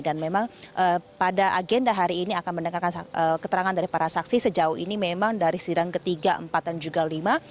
dan memang pada agenda hari ini akan mendengarkan keterangan dari para saksi sejauh ini memang dari sidang ketiga empatan juga lima